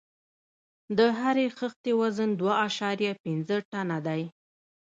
د هرې خښتې وزن دوه اعشاریه پنځه ټنه دی.